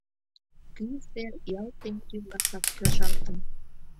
Кӱ сер ялт теҥыз ӱмбакак кержалтын.